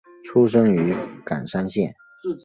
出身于冈山县。